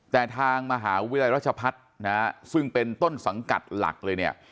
แต่ทางมหาวิทยาลัยรัชพัฒน์นะฮะซึ่งเป็นต้นสังกัดหลักเลยเนี่ย